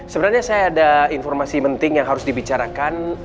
sebenarnya saya ada informasi penting yang harus dibicarakan